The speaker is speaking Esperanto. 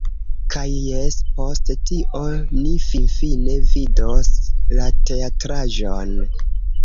Kaj jes, post tio, ni finfine vidos la teatraĵon